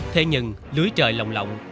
thế nhưng lưới trời lộng lộng